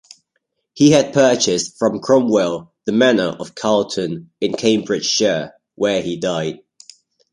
He had purchased from Cromwell the manor of Carleton in Cambridgeshire, where he died.